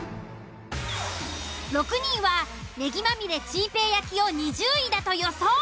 ６人は葱まみれチー平焼きを２０位だと予想。